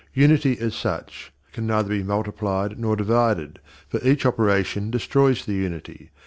Unity, as such, can be neither multiplied nor divided, for either operation destroys the unity.